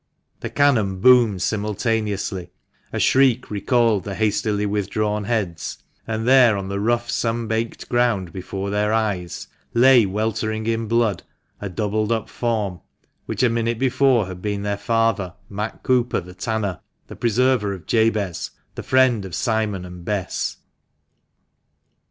The cannon boomed simultaneously — a shriek recalled the hastily withdrawn heads; and there, on the rough, sun baked ground before their eyes, lay weltering in blood, a doubled up form, which a minute before had been their father, Matt Cooper the tanner, the preserver of Jabez, the friend of Simon and Bess.